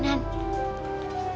itu kan om ferdinand